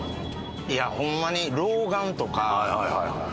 いやホンマに老眼とか。